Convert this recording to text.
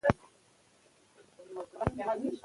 زه يوه کوټه په کوټه ښار کي لره مه